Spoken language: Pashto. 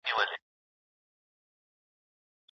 دې لایقو نجونو په نړیوالو سیالیو کې د افغانستان نوم لوړ کړی دی.